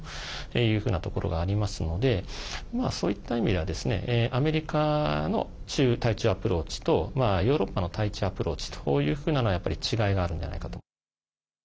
いうふうなところがありますのでそういった意味でアメリカの対中アプローチとヨーロッパの対中アプローチというふうなのはやっぱり違いがあるんじゃないかと。